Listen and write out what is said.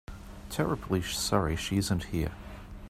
I'm terribly sorry she isn't here.